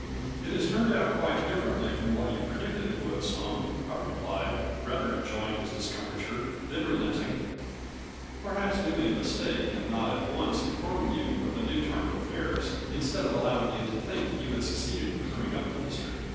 " It has turned out quite differently from what you predicted it would, Sloane," I replied, rather enjoying his discomfiture ; then relent ing, " Perhaps we made a mistake in not at once informing you of the new turn of affairs, instead of allowing you to think that you had succeeded in clearing up the mystery.